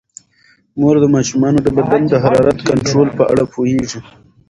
مور د ماشومانو د بدن د حرارت د کنټرول په اړه پوهیږي.